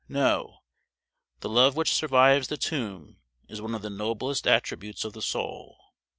No, the love which survives the tomb is one of the noblest attributes of the soul.